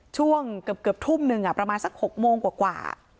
ช่วงเกือบเกือบทุ่มหนึ่งอ่ะประมาณสักหกโมงกว่ากว่า